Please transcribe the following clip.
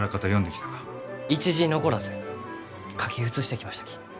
一字残らず書き写してきましたき。